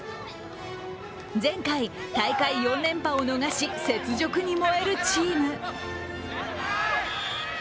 前回、大会４連覇を逃し、雪辱に燃えるチーム。